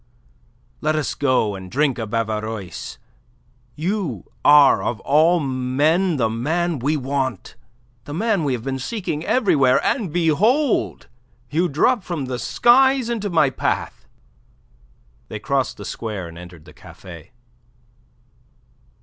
"Let us go and drink a bavaroise. You are of all men the man we want, the man we have been seeking everywhere, and behold! you drop from the skies into my path." They crossed the square and entered the café.